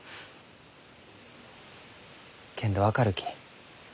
けんど分かるき。